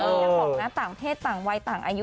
เอ้าเป็นว่าเคารพตัสสินใจของปี่แอนนะค้า